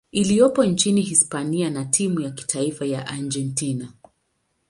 iliyopo nchini Hispania na timu ya taifa ya Argentina.